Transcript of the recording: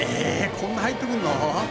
こんな入ってくるの？